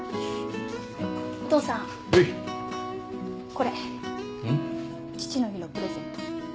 これ父の日のプレゼント。